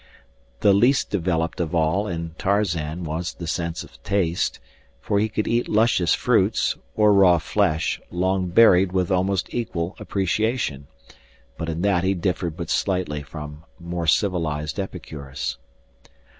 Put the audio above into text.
The least developed of all in Tarzan was the sense of taste, for he could eat luscious fruits, or raw flesh, long buried with almost equal appreciation; but in that he differed but slightly from more civilized epicures.